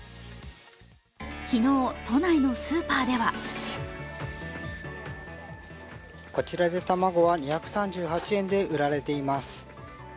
昨日、都内のスーパーではこちらで卵は２３８円で売られています。